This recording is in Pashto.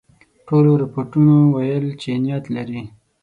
ټولو رپوټونو ویل چې نیت لري.